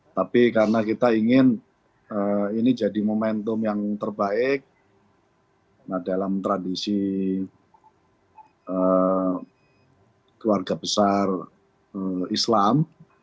tapi karena kita ingin ini jadi momentum yang terbaik dalam tradisi keluarga besar islam